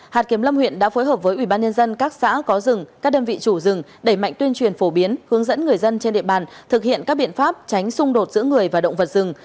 hạt kiểm lâm huyện đã phối hợp với ủy ban nhân dân các xã có rừng các đơn vị chủ rừng đẩy mạnh tuyên truyền phổ biến hướng dẫn người dân trên địa bàn thực hiện các biện pháp tránh xung đột giữa người và động vật rừng